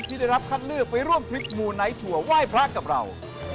ที่ได้รับคัดเลือกไปร่วมทริปมูไนทัวร์ไหว้พระกับเรา